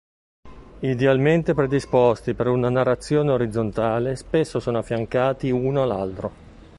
Idealmente predisposti per una narrazione orizzontale spesso sono affiancati uno all'altro.